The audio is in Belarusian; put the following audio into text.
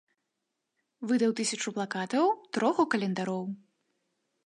Выдаў тысячу плакатаў, троху календароў.